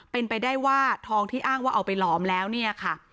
เป็นไปได้ว่าทองที่อ้างว่าเอาไปหลอมแล้วเนี่ยค่ะ